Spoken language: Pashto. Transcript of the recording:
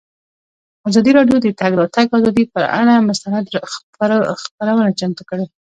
ازادي راډیو د د تګ راتګ ازادي پر اړه مستند خپرونه چمتو کړې.